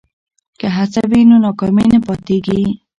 که هڅه وي نو ناکامي نه پاتیږي.